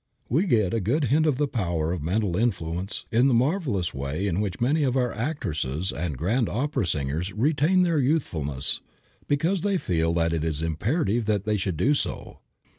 We get a good hint of the power of mental influence in the marvelous way in which many of our actresses and grand opera singers retain their youthfulness, because they feel that it is imperative that they should do so.